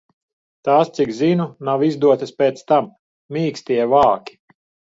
Tās, cik zinu, nav izdotas pēc tam. Mīkstie vāki.